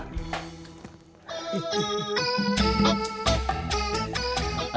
terima kasih pak